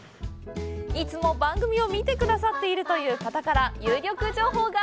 いつも番組を見てくださっているという方から有力情報が。